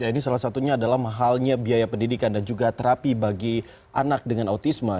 ini salah satunya adalah mahalnya biaya pendidikan dan juga terapi bagi anak dengan autisme